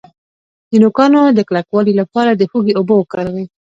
د نوکانو د کلکوالي لپاره د هوږې اوبه وکاروئ